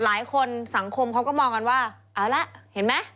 สังคมสังคมเขาก็มองกันว่าเอาละเห็นไหม